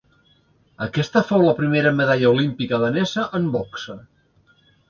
Aquesta fou la primera medalla olímpica danesa en boxa.